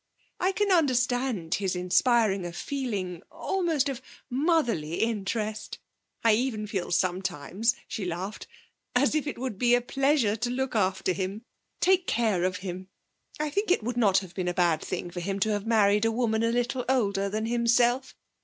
I can understand his inspiring a feeling almost of motherly interest. I even feel sometimes,' she laughed, 'as if it would be a pleasure to look after him, take care of him. I think it would not have been a bad thing for him to have married a woman a little older than himself.